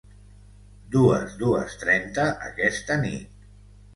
Dues, dues trenta, aquesta nit.